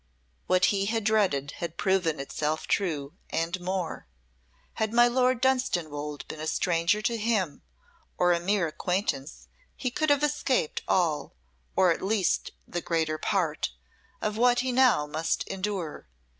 What he had dreaded had proven itself true, and more. Had my Lord Dunstanwolde been a stranger to him or a mere acquaintance he could have escaped all, or at least the greater part, of what he now must endure.